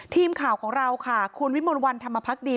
ทีมข่าวของเราค่ะคุณวิมลวันธรรมพักดี